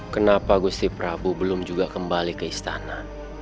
kenapa gusti prabu belum juga kembali ke istana